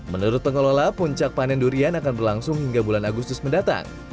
menurut pengelola puncak panen durian akan berlangsung hingga bulan agustus mendatang